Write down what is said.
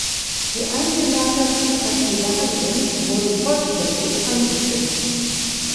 Die eingelagerten Archivalien wurden vollständig vernichtet.